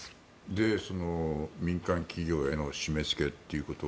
で、民間企業への締め付けということ。